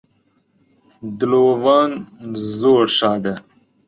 دلۆڤان زۆر شادە